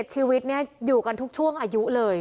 ชีวิตนี้อยู่กันทุกช่วงอายุเลย